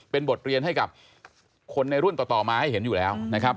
เป็นบทเรียนให้กับคนในรุ่นต่อมาให้เห็นอยู่แล้วนะครับ